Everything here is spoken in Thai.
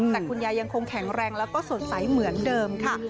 แต่คุณยายยังคงแข็งแรงแล้วก็สดใสเหมือนเดิมค่ะ